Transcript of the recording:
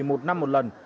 một năm một lần